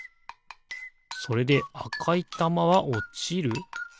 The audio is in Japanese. それであかいたまはおちる？